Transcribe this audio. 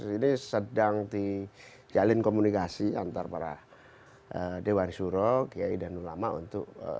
ini sedang dijalin komunikasi antara para dewan syuroh kiai dan ulama untuk